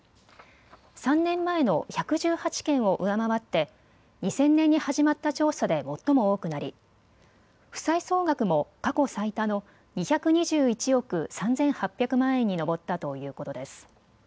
３年前の１１８件を上回って２０００年に始まった調査で最も多くなり負債総額も過去最多の２２１億３８００万円に上ったということです。